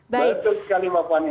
betul sekali mbak pani